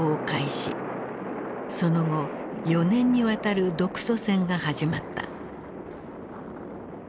その後４年にわたる独ソ戦が始まった。